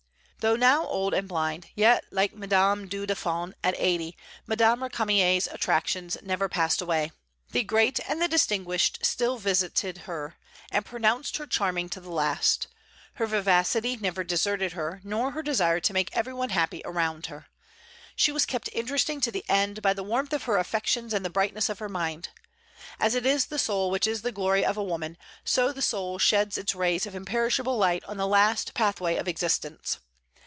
Though now old and blind, yet, like Mme. du Deffand at eighty, Madame Récamier's attractions never passed away. The great and the distinguished still visited her, and pronounced her charming to the last. Her vivacity never deserted her, nor her desire to make every one happy around her. She was kept interesting to the end by the warmth of her affections and the brightness of her mind. As it is the soul which is the glory of a woman, so the soul sheds its rays of imperishable light on the last pathway of existence.